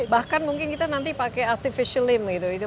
bahkan mungkin kita nanti pakai artificial lim gitu